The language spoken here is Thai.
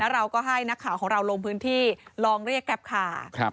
เราก็ให้นักข่าวของเราลงพื้นที่ลองเรียกแกรปคาร์